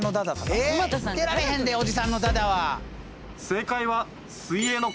え見てられへんでおじさんのだだは。